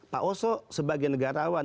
pak oso sebagai negarawan